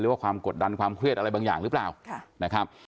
หรือว่าความกดดันความเครียดอะไรบางอย่างหรือเปล่า